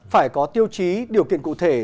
phải có tiêu chí điều kiện cụ thể